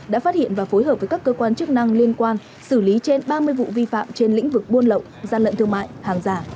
đã phát hiện và phối hợp với các cơ quan chức năng liên quan xử lý trên ba mươi vụ vi phạm trên lĩnh vực buôn lậu gian lận thương mại hàng giả